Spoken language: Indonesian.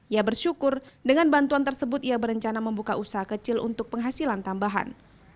ia bersyukur dengan bantuan tersebut ia berencana membuka usaha kecil untuk penghasilan tambahan